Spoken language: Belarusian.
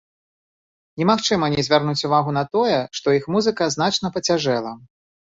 Немагчыма не звярнуць увагу на тое, што іх музыка значна пацяжэла.